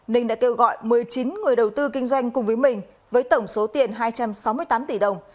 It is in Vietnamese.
ninh đã kêu gọi một mươi chín người đầu tư kinh doanh cùng với mình với tổng số tiền hai trăm sáu mươi tám tỷ đồng